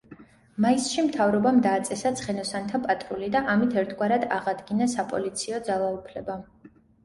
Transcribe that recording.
მაისში მთავრობამ დააწესა ცხენოსანთა პატრული და ამით ერთგვარად არადგინა საპოლიციო ძალაუფლება.